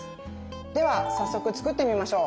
では早速作ってみましょう！